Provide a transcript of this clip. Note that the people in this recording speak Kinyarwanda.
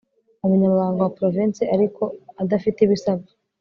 umunyamabanga wa provensi ariko adafite ibisabwa